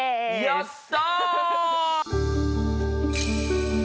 やった！